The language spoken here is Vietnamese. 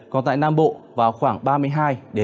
còn tại nam bộ vào khoảng ba mươi hai ba mươi năm độ